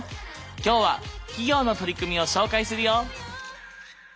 今日は企業の取り組みを紹介するよ！